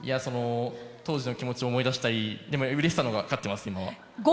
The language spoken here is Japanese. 当時の気持ちを思い出したりでも、うれしさが勝ってます。